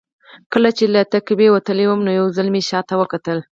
کله چې له تهکوي وتلم نو یو ځل مې شا ته وکتل